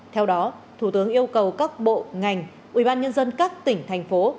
theo đó thủ tướng yêu cầu các bộ ngành ủy ban nhân dân các tỉnh thành phố